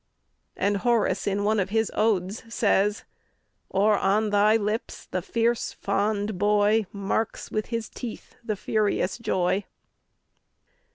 And Horace, in one of his odes, says: Or on thy lips the fierce, fond boy Marks with his teeth the furious joy.